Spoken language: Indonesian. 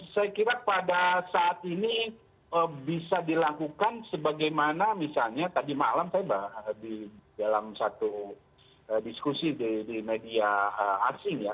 saya kira pada saat ini bisa dilakukan sebagaimana misalnya tadi malam saya di dalam satu diskusi di media asing ya